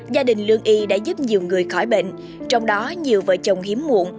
gia đình lương y đã giúp nhiều người khỏi bệnh trong đó nhiều vợ chồng hiếm muộn